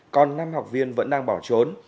còn năm học viên vẫn đang bỏ trốn